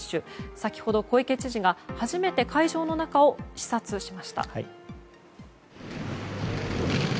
先ほど、小池知事が初めて会場の中を視察しました。